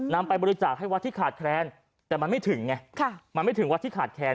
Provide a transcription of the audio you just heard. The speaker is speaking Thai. ไปบริจาคให้วัดที่ขาดแคลนแต่มันไม่ถึงไงมันไม่ถึงวัดที่ขาดแคลน